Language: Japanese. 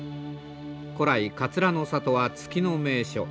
古来桂の里は月の名所。